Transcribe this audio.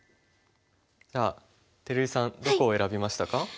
じゃあ照井さんどこを選びましたか？